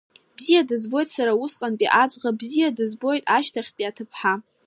Бзиа дызбоит сара усҟантәи аӡӷаб, бзиа дызбоит ашьҭахьтәи аҭыԥҳа.